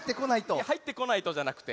「はいってこないと」じゃなくて。